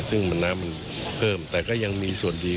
ซึ่งน้ำมันเพิ่มแต่ก็ยังมีส่วนดี